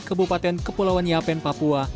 kebupaten kepulauan yapen papua